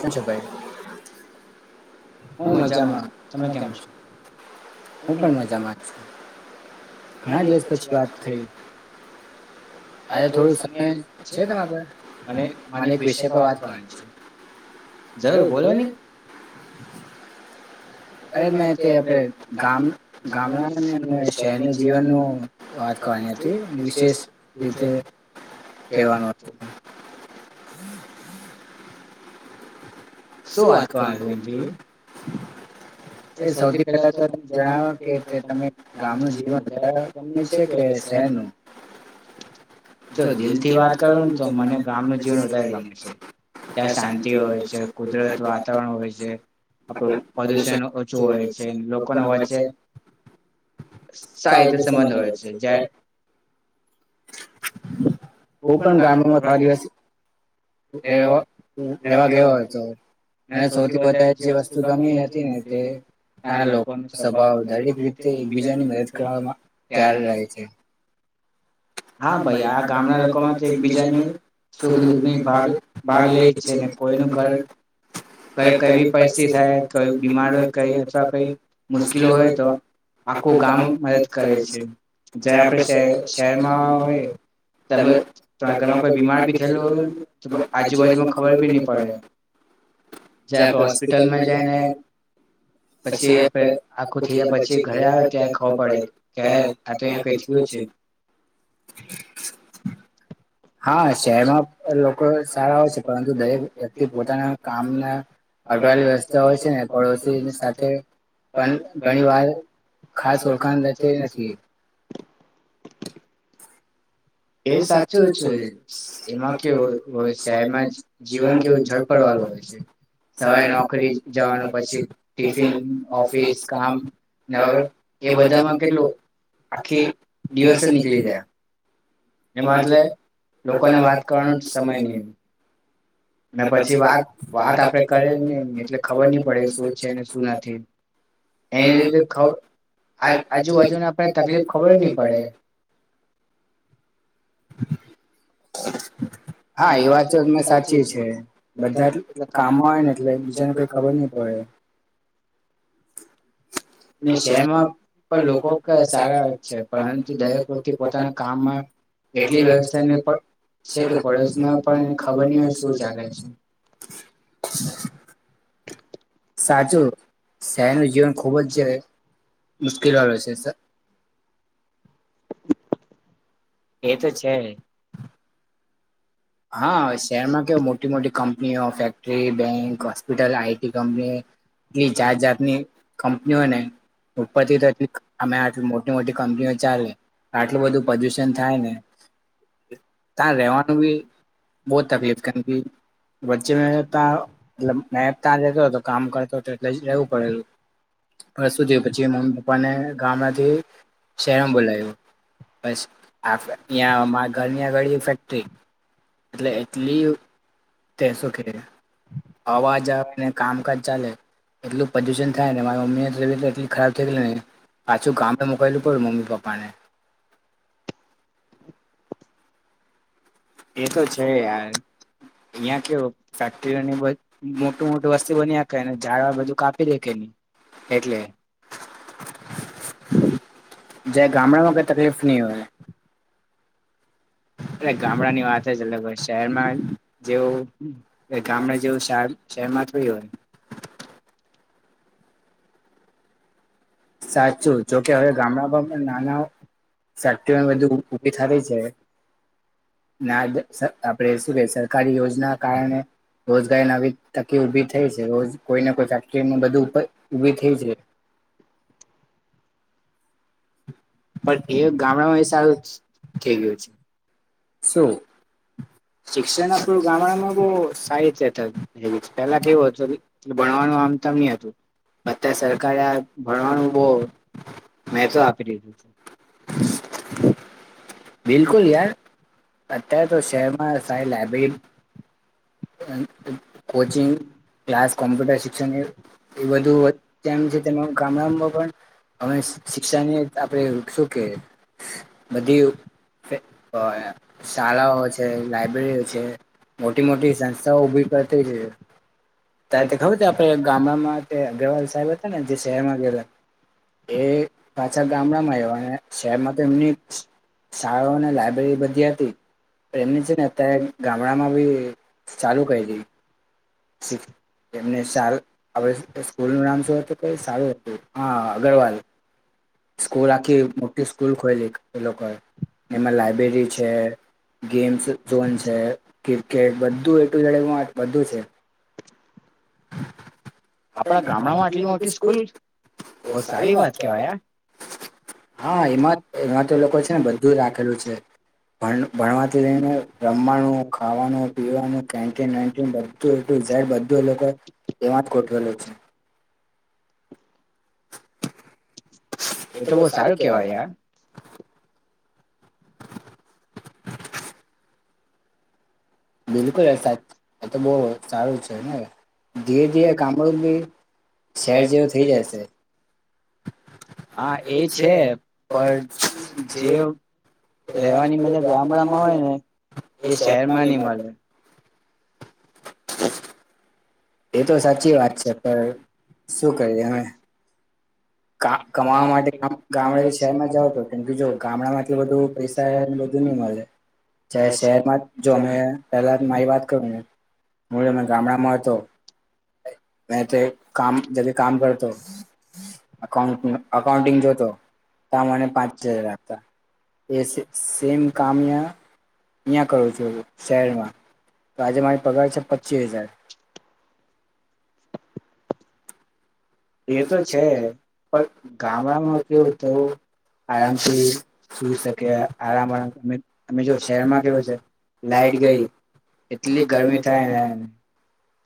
ક્યા છો, ભાઈ? હ, મજામાં. હું પણ મજામાં છુ. હા, દસ પછી વાત થઈ. આજ થોડું સમય છે તમારા માટે. અને મને એક વિષય પર વાત કરવાની છે. જરૂર બોલો ની. અરે મેં તે આપણે ગામ ગામડાનું અને શહેરનું જીવનનું [unintelligible] વિશેષ રીતે કહેવાનું હતું. શું વાત કરવાની [unintelligible] એ સૌથી પહેલા તો જણાવો કે તમે ગામનું જીવન વધારે ગમે છે કે શહેરનું? જો દિલ થી વાત કરું ને તો મને ગામનું જીવન વધારે ગમે છે. ત્યાં શાંતિ હોય છે કુદરત વાતાવરણ હોય છે પ્રદૂષણ ઓછું હોય છે લોકોન વચ્ચે સાહિત્ય સંબંધ હોય છે જયા હું પણ ગામડામાં થોડા દિવસ રેહવા રહેવા ગયો હતો. અને સૌથી વધારે જે વસ્તુ ગમી હતી ને તે ના લોક સભા દરેક રીતે એકબીજાની મદદ કરવામાં ત્યાર રહે છે. હા ભાઈ આ ગામડા કોમા તો એકબીજાનું સુખ દુખની ભાગ ભાગ લેય છે [unintelligible] કઈ પહેલી [unintelligible] થાય કોઈ બીમારી હોય અથવા કોઈ મુશ્કેલી હોય તો આખું ગામ મદદ કરે છે જ આપણે શહે શહેરમાં હોઈએ તમે ઘણા કોઈ બીમાર ભી થયેલું હોય આજુબાજુમાં ખબર બી ની પડે. જયારે આપણે હોસ્પિટલમાં જાય ને પછી આપણે હરખુ થઈ જાય પછી ઘરે આવે ત્યારે ખબર પડે [unintelligible] થયું છે. [inaudible] હા શહેરમાં લોકો સારા હોય છે પરંતુ દરેક વ્યક્તિ પોતાના કામના અ ટવાલી વ્યવસ્થા હોય છે ને પડોશીઓની સાથે પણ ઘણી વાર ખાસ ઓળખાણ લેતી નથી. એ સાચું છે એમાં કેવું હોય શહેરમાં જીવન કેવું ઝડપડવા ળુ હોય છે સવારે નોકરી જવાનું પછી ટિફિન, ઓફિસ કામ ને વગર એ બધામાં કેટલું આખી દિવસ જ નીકળી જયા. એમાં એટલે લોકોને વાત કરવાનો જ સમય નહીં. ને પછી વાત વાત આપણે કરી નીએ એટલે ખબર ની મળે કે શું છે ને શું નથી. એ લી થોડું આજુબાજુ તકલીફ ખબર જ નહીં પડે. [inaudible] [inaudible] હા એ વાત તો તમારી સાચી છે બધા કામમાં હોય ને એટલે બીજાને કઈ ખબર જ નહીં પડે. ને શહેરમાં પણ લોકો સારા છે પરંતુ દરેક વ્યક્તિ પોતાના કામમાં એટલી વ્યવસ્થાને પ છે કે પડોશમાં પણ એને ખબર ની હોય કે શું ચાલે છે. સાચું શહેરનું જીવન ખૂબ જ મુશ્કેલવાળુ છે સ એ તો છે. હા શહેરમાં કે મોટી મોટી કંપનીઓ, factory, bank hospital, I T company એ જાત જાતની કંપની હોય ને ઉપરથી તો અમે આટલી મોટી-મોટી કંપનીઓ ચાલે આટલું બધું પ્રદુષણ થાય ને ત્યાં રહેેવાનું બી બહુ તકલીફ કારણ કી વચ્ચે મેં તા મેં ત્યાં રહેતો તો કામ કરતો એટલે રેવું પડેલું વસ્તુધયો પછી, મમ્મી પપ્પાને ગામડાથી, શહેરમાં બોલાયું બસ આ્યાં ઘરની, આગળ ફેક્ટરી એટલે, એટલી તે શું કે અવાજને, કામકાજ ચાલે એટલું પ્રદુષણ થાય, ને મારી મમી તબિ એટલી ખરાબ થઈ, ગ પાછું, ગામે મુકાયેલું પડ્યું મમ્મી પપ્પાને એ તો છે, યાર અહં કેવું, ફેક્ટરીઓની મોટું મોટું વસ્તી બની્યા ઝડ બધું કાપી દે એટલે જ ગામડામાં કઈ તકલીફ નહી, હોયને અરે ગામડાની વાત, જ શહેરમાં જેવું ગામને, જેવું શરમાં થયો સાચું જોકે હવે, ગામડામાં પણ નાના સાઠી બધુ ઊભી થ ર છે. ના આપણેે શું, કે સરકારી યોજના કારણે રોજગારી આવી, તકી ઉભી થઈ છેજ કોઈને કોઈ ફેક્ટરી બધું ઉભી થઈ છે. પણ એ ગામડામાં એ સારું થઈ, ગયું છે. સુ શિક્ષણ આપડું ગામડામાં બહ સાહિત્ય ગ છે, પેલા કેવું હતું ભણવાનું આમ નહ હતું, અત સરકારે આ ભણવાનું બહ મેં તો આપી દીધું છે. બિલકુલ યાર અત્યારે, તો શહેરમાં સાહે લબ હ કોચિંગ ક્લાસ કોમ્પ્યુટર શિક્ષણ, એ એ બધું છે, તેનો ગામડામાં પણ, અવે શિક્ષા ને આપણે શું કે દેવ શાળાઓ છે, લાયબ્રેરીઓ છે, મોટી મોટી નકશા, ઉઊભીપતે જાયે. ત ખબર છે, આપણે ગામડામાં અગ્રવાલ સાહેબ હતા, ને જે શહેરમાં ગયેલા એ પાછા ગામડામાં આવ, અને શહેરમાં તો એમની શાળાઓ અને લાયબ્રેરી બધી હતી, પણ એમની છે, ને અત્યારે ગામડામાં બી ચાલુ, ક હતી. છે એમને [unintelligible] આપ સ્કૂલ નું નામ શું હતું, કે સારું હતું સ્કૂલ આખી, મોટી સ્કૂલ ખોલી એ લોકો એમાં લાઈબ્રેરી છે. ગેમ્સ ઝોન છે, ક્રિકેટ બધું એટુંડ બધું છે. આપણા, ગામમાં જો સ્કલ સારી વાત છે. હા, એમાં એમાં તો લોકો છે, ને બધું જ રાખેલું છે. ભાડુ ભણવાથી રઈને રમવાનું ખાવાનું પીવાનું, કેચન વેચન બધું હતુ. બધું, લોકો એવા કોટ. બલલો છે. એ, તો બહ સારું કેવાય, યાર બિલકુલ સાચ, તો બહ સારું છેને. ધીરે, ધીરે કામડ, બી શહેર જેવુ થઈ જશે હા, એ છે, પણ જે રેવાની મજા ગામડમા હોય, ને એ શહેરમાં નની મળે એ તો સાચી વાત છે, પણ શું કરીએ અમે કા કમાવા માટે ગા ગામડા થી શેહેર માં જાવ તો કેમ કે જો ગામડા માં એટલે બધું પૈસા એન બધું ની મલે, શે શેહેરમાં જોમે પેલાન મારી વાત કરું. હું તમે ગામડામાં હતો મેં તે કામ જગે કામ કરતો અકા અકાઉન્ટિંગ જોતો તા મને પાંચ હજાર આપતા. એ સે સેમ કામ અયા અહિયા કરું છું શેહેરમાં, તો આજે મારી પગાર છે પચી હજાર. એ તો છે, પણ ગામડામાં કેવું થવું આરામથી સુઈ શકે, આરામ આરામ અમે અમે જો શેહેરમાં કેવું છે લાઈટ ગઈ, એટલી ગરમી થાય ને?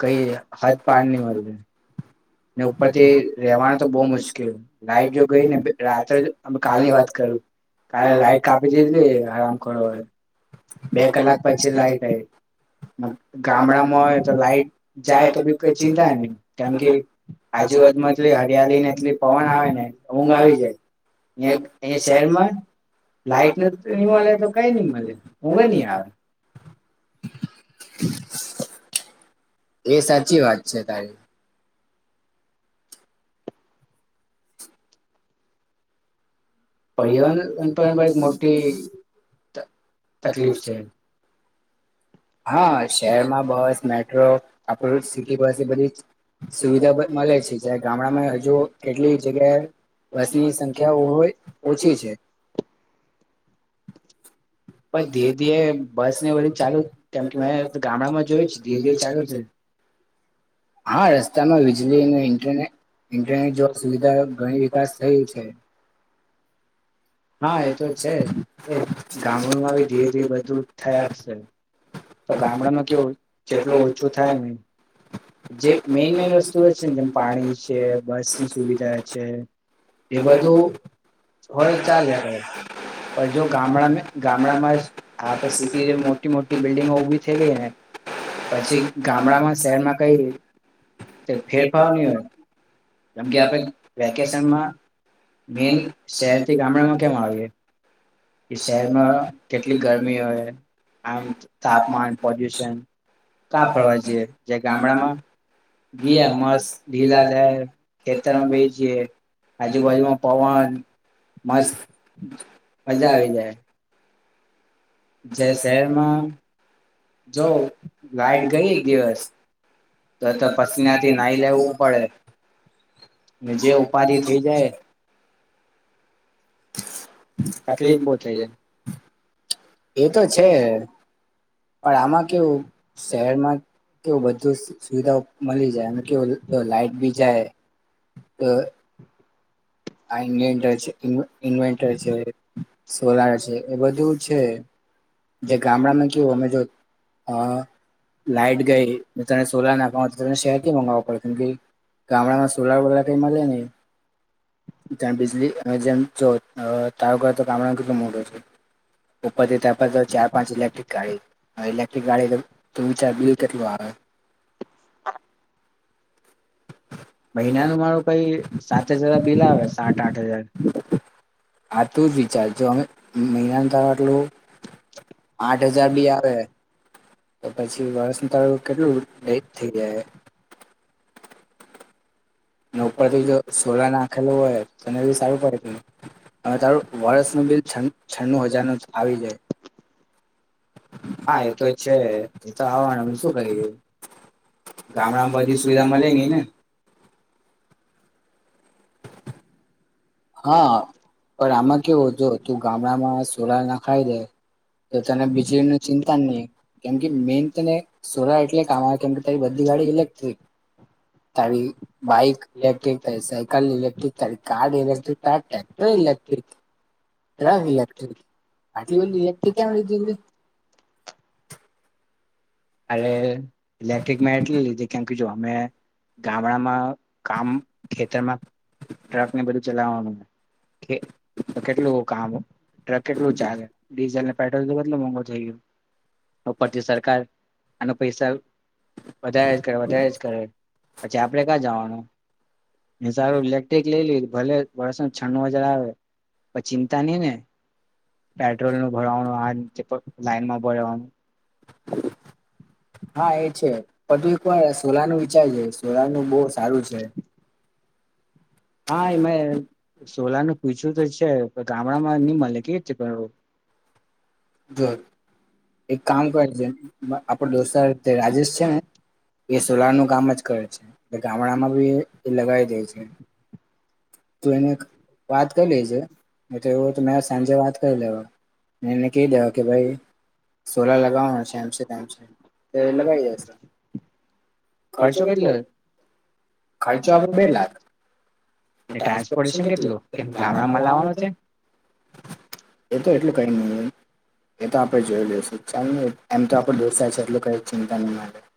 કઈ હદ પાર ની મળતી. પથી રેહવાનું તો બો મુશ્કિલ, લાઈટ જો ગઈ ને બે રાત્રે અમ કાલ ની વાત કરું. કાલે લાઈટ કાપી દીધીલી હરામખોરોએ, બે કલાક પછી લાઈટ આઈ. ગામડામાં હોય તો લાઈટ જાય તો બી કઈ ચિંતા ની, કેમ કે આજુબાજુમાં એટલી હરિયાલી ને એટલી પવન આવે ને, ઊંઘ આવી જાય. અયા અહિયા શેહેરમાં લાઈટ ન ની મળે તો કઈ ની મલે, ઊઘ જ ની આવે. એ સાચી વાત છે તારી. પરિવાર પરંપરિક મોટી તક તકલીફ છે. હા, શહેરમાં બસ, મેટ્રો, આપણું સિટી બસ એ બધી ચ સુવિધા મલે છે, જ્યારે ગામડામાં હજુ કેટલી જગ્યાએ બસની સંખ્યા હોય, ઓછી છે. પણ ધીરે ધીરે, બસ ને એવું બધું ચાલુ [inaudible] ગામડામાં જોયું છ ધીમી ચાલે છ. હા, રસ્તામાં વીજલી ને ઇન્ટરનેટ ઇન્ટરનેટ જોવા સુવિધા ઘણી વિકાસ થઈ છે. હા એ તો છે, એ ગામડુંમાં બી ધીરે ધીરે બધું થયાક સે. [unintelligible] જેટલુ ઓછું કામ જે મેન મેન વસ્તુઓ છે, જેમ, [inaudible] બસ ની સુવિધાઓ છે. એ બધું, હ ચાલે. જો ગામડાના ગામડાના રસ્તા [unintelligible] [unintelligible] પછી [unintelligible] [unintelligible] કેટા [unintelligible] [unintelligible] આપ વેકેશનમાં મેન શેહેર ટૂ ગામડાનું કેમ આયુ? કે શહેરમાં કેટલી ગરમી હોય. આમ તાપમાન, પોલ્યુશન તાપ ફરવા જીએ, જે ગામડામાં ગીયા મસ્ત ઢીલા લે ખેતરમાં બેહી જીએ. આજુબાજુમાં પવન, મસ્ત મજા આવી જાય. જય શહેરમાં જો લાઈટ ગઈ એક દિવસ તો તો પસિનાથી નાઈ લેવું પડે. જે ઉપાધિ થઇ જાય તકલીફ બો થઈ જાય. એ તો છે, પણ આમાં કેવું, શેહેરમાં કેવું બધું સુ સુવિધાઓ મલી જાય અને કેવુ લ લાઈટ બી જાય તો આ ઈન્વેન્ટર છે ઈ ઇન્વેટર છે, સોલાર છે એ બધું છે. જે ગામડામાં કેવું અમે જો અ લાઈટ ગઈ તને સોલાર નાખવા તને શહેરથી મંગાવવા પડે કેમ કે ગામડા માં સોલા વોલા કઈ મળે નહી ત બીજ અ જો તારો કરામડા કેટલો મોડો છે ચાર પાંચ ઇલેક્ટ્રિક ગાડી ઇલેક્ટ્રિક ગાડી ત વિચાર બિલ કેટલું આવે [inaudible] મહિના ન મારું કઈ સાત હજાર બિલા આવે સાત આઠ હજાર આ તો જ વિચાર જો અમે મહિના થ આટલું આઠ હજાર બી આવે તો પછી વસ તળું કેટલું લેટ થઈ જાય અને ઉપરથી જો સોલા નાખેલું હોય તો એને બી સારું પડે અવે તારું વર્ષનું બિલ છન્નું છનુ હજારનું આવી જાય હા એ તો છે તો આવવાનું શું કરીએ. ગામડામાં બધી સુવિધા મલે નહીં ને. હા પણ આમાં કેવું હતુ તું ગામડામાં સોલા ના ખાઈ દે તો તને વીજળી ન ચિંતાન નહહીં કેમ કે મેન તને સોરા એટલે કામ આવે કેમ કે ત બધી ગડી [unintelligible] તારી બાઇક ઇલેક્ટ્રિક તારી સાયકલ ઇક્ટ્રિક તારી કાર ઇલેક્ટ ત ટક્ટર ઇલેક્ટ્રિક ઇલેક્ટ્રિક આટલી બધી [unintelligible] લીધી અરે ઇલેક્ટ્રિક મે એટલી લીધી કે અમે ગામડામાં કામ ખેતરમાં ટ્રક ને બધું ચલાવવાનુંને તો કેટલું કામ ટ્રક કેટલું ચાલે ડીઝલ પેટ્રોલ બટલો મોઘો થઈ ગયો ઉપરથી સરકાર આનો પૈસા વધારે જ કરે વધારે જ કરે પછી આપડે ક્યાં જવાનું મે સારું ઇલેક્ટ્રિક લઈ લી ભલે વર્ષ છન્ ન હજાર આવે પ ચિંતા નહી ને પેટ્રોલ નું ભરવાનું લાઈનમાં ભરવાનું [inaudible] હા એ છે પણ તું એક વાર સોલાાર નું વિચારજ સોલાારનું બહુ સારું છે. હા એમાં સોલાનું પૂછું તો છે ગામડામાં ની મળે કે રતે [unintelligible] જરૂર એક કામ કરે છે આપડ દોસ્ત રાજેશ છે ને એ સોલ ન ધામ જ કરે છે ધાર લગાવ ગય છે તું એને વાત કરી લેજે તો એવ મે સાંજે વાત કરી લેવા એને ક દે કે ભાઈ એશ [unintelligible] ખર્ચો કેટલે ખર્ચો આપ બે લાખ ટ ગંગમાં લવા [unintelligible] એ તો એટલું કઈ ન એ તો આપણે જોઈ લઈશું ચાલ એમ તો આપડ દોષાય છે એટલ કઈ ચિંતા નહી મારે. [inaudible]